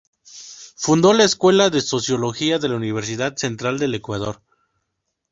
Fundó la Escuela de Sociología de la Universidad Central del Ecuador.